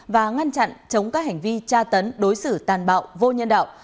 và ngăn chặn chống các hành vi tra tấn đối xử tàn bạo vô nhân đạo